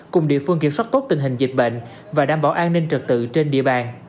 cùng địa phương kiểm soát tốt tình hình dịch bệnh và đảm bảo an ninh trật tự trên địa bàn